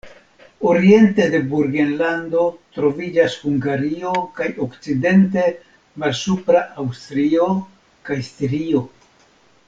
Oriente de Burgenlando troviĝas Hungario kaj okcidente Malsupra Aŭstrio kaj Stirio.